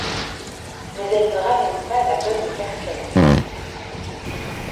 Mais elle ne ramène pas la bonne personne.